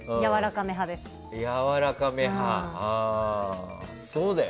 やわらかめ派です。